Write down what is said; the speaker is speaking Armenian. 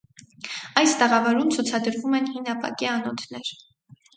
Այս տաղավարում ցուցադրվում են հին ապակե անոթներ։